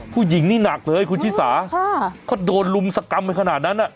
ผู้หญิงนี่หนักเลยคุณชิสาเขาโดนลุมสกรรมไปขนาดนั้น